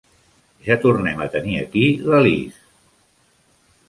Ja tornem a tenir aquí la Liz!